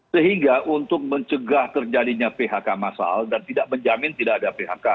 sehingga untuk mencegah terjadinya phk masal dan tidak menjamin tidak ada phk